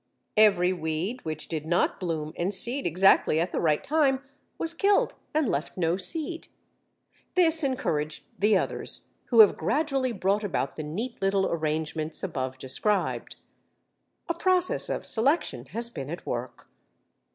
Every weed which did not bloom and seed exactly at the right time was killed and left no seed. This encouraged the others, who have gradually brought about the neat little arrangements above described. A process of selection has been at work.